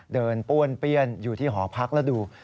ป้วนเปี้ยนอยู่ที่หอพักแล้วดู